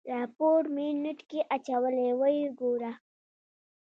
راپور مې نېټ کې اچولی ويې ګوره.